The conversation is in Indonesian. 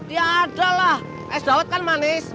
ya adalah es dawet kan manis